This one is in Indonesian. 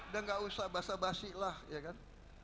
dan gak usah basah basih lah ya kan